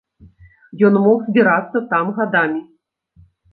Ён мог збірацца там гадамі.